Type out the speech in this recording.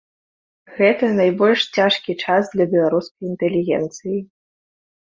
Гэта найбольш цяжкі час для беларускай інтэлігенцыі.